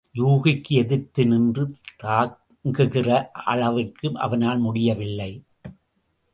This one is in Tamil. யூகிக்கு எதிர்த்து நின்று தாங்குகிற அவ்வளவிற்கு அவனால் முடியவில்லை.